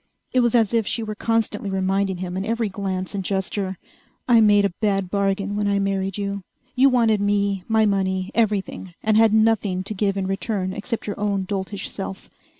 It was as if she were constantly reminding him in every glance and gesture, "I made a bad bargain when I married you. You wanted me, my money, everything, and had nothing to give in return except your own doltish self.